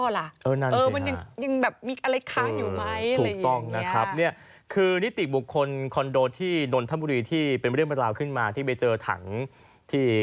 ล้างแล้วมันไม่ค่อยสบายใจเออจริงหรือเปล่า